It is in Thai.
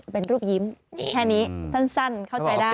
เป็นรูปยิ้มแค่นี้สั้นเข้าใจได้